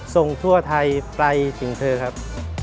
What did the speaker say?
ทั่วไทยไปถึงเธอครับ